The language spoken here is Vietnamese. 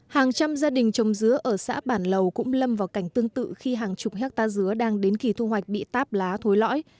hàng trăm gia đình trồng dứa ở xã bản lầu cũng lâm vào cảnh tương tự khi hàng chục hectare dứa đang đến kỳ thu hoạch bị táp lá thối lõi